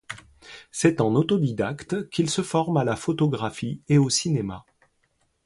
C'est en autodidacte qu'il se forme à la photographie et au cinéma.